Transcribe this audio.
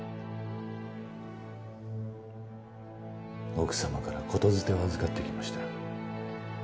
奥様から言づてを預かってきました。